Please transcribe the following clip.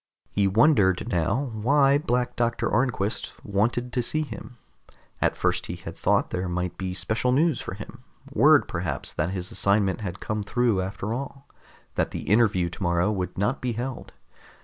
He wondered now why Black Doctor Arnquist wanted to see him. At first he had thought there might be special news for him, word perhaps that his assignment had come through after all, that the interview tomorrow would not be held.